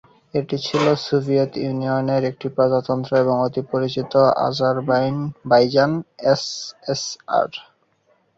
এটি ছিল সোভিয়েত ইউনিয়নের একটি প্রজাতন্ত্র এবং অতি পরিচিত আজারবাইজান এসএসআর।